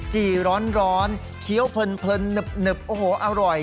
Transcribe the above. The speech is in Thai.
จี่ร้อนเคี้ยวเพลินหนึบโอ้โหอร่อย